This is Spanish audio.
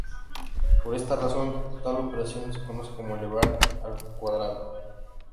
Por esta razón, tal operación se conoce como "elevar al cuadrado".